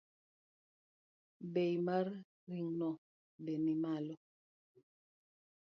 Bei mar ring’ono be nimalo